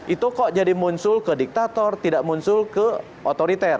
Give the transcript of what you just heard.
itu kok jadi muncul ke diktator tidak muncul ke otoriter